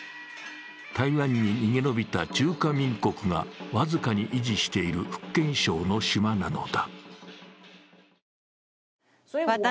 台湾に逃げ延びた中華民国が僅かに維持している福建省の島なのだ。